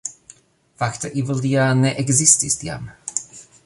Fakte Evildea ne ekzistis tiam